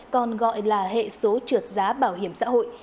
còn gọi là hệ số trượt giá bảo hiểm xã hội